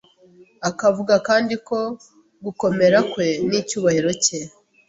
akavuga kandi ku gukomera kwe n’icyubahiro cye.